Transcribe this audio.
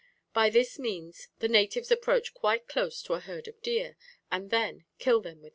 By this means the natives approach quite close to a herd of deer, and then kill them with arrows."